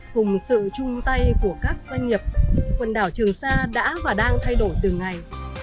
cùng sự chung tay của các doanh nghiệp quần đảo trường sa đã và đang thay đổi từng ngày